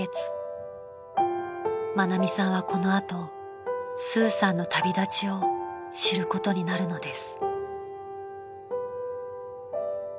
［愛美さんはこの後スーさんの旅立ちを知ることになるのです］